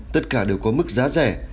tất cả đều có mức giá rẻ